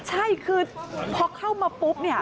ใช่คือพอเข้ามาปุ๊บเนี่ย